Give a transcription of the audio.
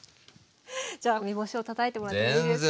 じゃあ梅干しをたたいてもらっていいですか？